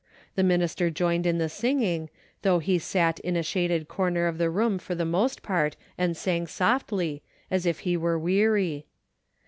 The minister joined in the singing, though he sat in a shaded corner of the room for the most part and sang softly, as if he were weary.